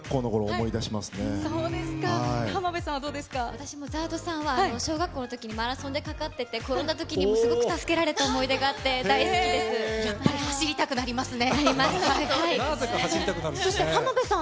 私もＺＡＲＤさんは小学校のときに、マラソンでかかってて、転んだときにもすごく助けられたやっぱり走りたくなりますね。